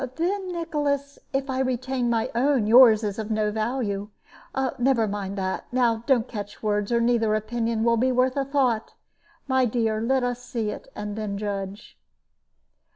"Then, Nicholas, if I retain my own, yours is of no value. Never mind that. Now don't catch words, or neither opinion will be worth a thought. My dear, let us see it and then judge."